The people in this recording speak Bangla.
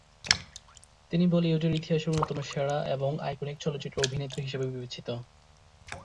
তিনি বলিউডের ইতিহাসের অন্যতম সেরা এবং আইকনিক চলচ্চিত্র অভিনেত্রী হিসাবে বিবেচিত।